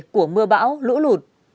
của mưa bão lũ lụt